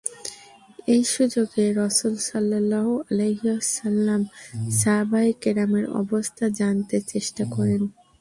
এই সুযোগে রাসূল সাল্লাল্লাহু আলাইহি ওয়াসাল্লাম সাহাবায়ে কেরামের অবস্থা জানতে চেষ্টা করেন।